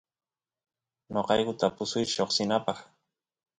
noqayku tapusuysh lloksinapaq